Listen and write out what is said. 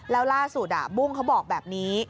แล้วล่าสุดบุ้งเขาบอกแบบนี้